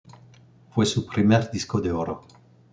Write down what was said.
Fue su primer Disco de oro.